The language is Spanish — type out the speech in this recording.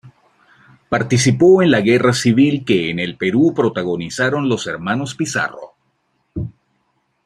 Participó en la guerra civil que en el Perú protagonizaron los hermanos Pizarro.